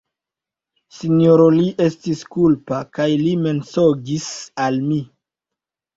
Sinjoro Li estis kulpa kaj li mensogis al mi!